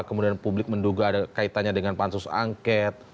kemudian publik menduga ada kaitannya dengan pansus angket